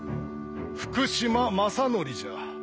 福島正則じゃ。